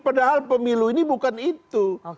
padahal pemilu ini bukan itu